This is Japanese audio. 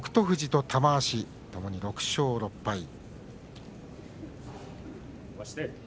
富士と玉鷲ともに６勝６敗。